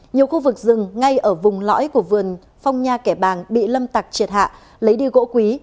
nhiều khu vực rừng ngay ở vùng lõi của vườn phong nha kẻ bàng bị lâm tặc triệt hạ lấy đi gỗ quý